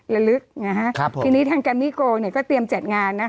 ละลึกนะฮะทีนี้ทางกรรมิโกรธ์ก็เตรียมจัดงาน